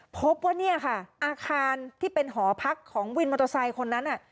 พบว่าเนี่ยค่ะอาคารที่เป็นหอพักของวินมอเตอร์ไซค์คนนั้น